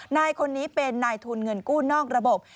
นายคนนี้เป็นนายทุนเงินกู้นอกระบบ